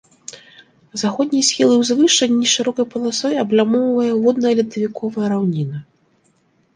Заходнія схілы ўзвышша нешырокай паласой аблямоўвае водна-ледавіковая раўніна.